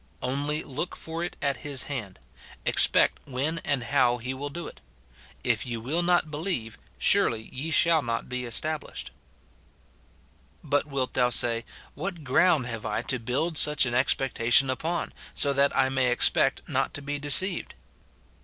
Only look for it at his hand ; expect when and how he will do it. " If ye will not believe, surely ye shall not be es tablished, "f But wilt thou say, " What ground have I to build such an expectation upon, so that I may expect not to be deceived